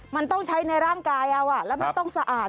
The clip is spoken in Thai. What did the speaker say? มันต้องใช้ในร่างกายเอาแล้วไม่ต้องสะอาด